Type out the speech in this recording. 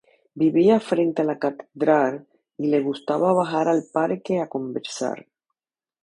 Vivía frente a la Catedral, y le gustaba bajar al parque a conversar.